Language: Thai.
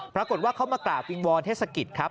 ปรากฏว่าเขามากราบวิงวอนเทศกิจครับ